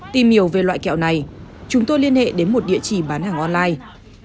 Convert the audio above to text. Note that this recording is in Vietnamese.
tìm hiểu về loại kẹo này chúng tôi liên hệ đến một địa chỉ bán hàng online